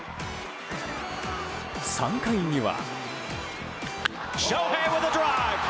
３回には。